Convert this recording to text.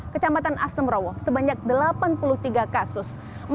kecamatan asemrowo sebanyak delapan puluh tiga kasus